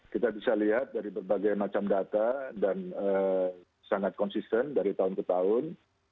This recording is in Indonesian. kita bisa lihat dari berbagai macam data dan sangat konsisten dari tahun ke tahun